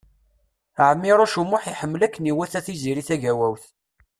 Ɛmiṛuc U Muḥ iḥemmel akken iwata Tiziri Tagawawt.